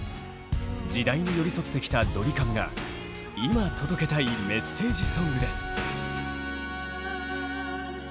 時代に寄り添ってきたドリカムが今届けたいメッセージソングです。